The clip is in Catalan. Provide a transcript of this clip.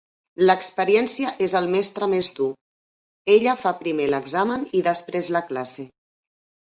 L'experiència és el mestre més dur. Ella fa primer l'examen i després la classe.